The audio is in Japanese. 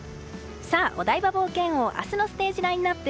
お台場冒険王、明日のステージラインアップ